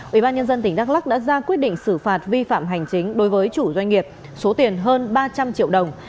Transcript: ủy ban nhân dân tỉnh đắk lắc đã ra quyết định xử phạt vi phạm hành chính đối với chủ doanh nghiệp số tiền hơn ba trăm linh triệu đồng